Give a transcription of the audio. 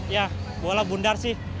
ya bola bundar sih